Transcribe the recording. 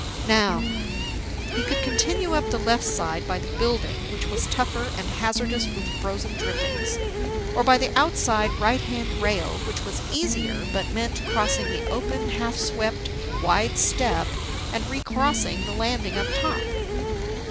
Now: He could continue up the left side, by the building, which was tougher and hazardous with frozen drippings, or by the outside, right hand rail, which was easier but meant crossing the open, half swept wide step and recrossing the landing up top.